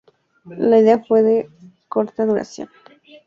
La idea fue de corta duración.